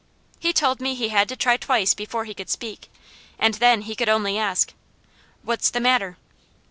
He told me he had to try twice before he could speak, and then he could only ask: "What's the matter?"